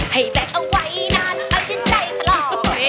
ให้แตกเอาไว้นาน